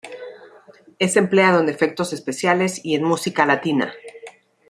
Es empleado en efectos especiales y en música latina.